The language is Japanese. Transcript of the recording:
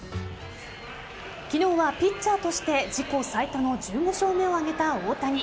昨日はピッチャーとして自己最多の１５勝目を挙げた大谷。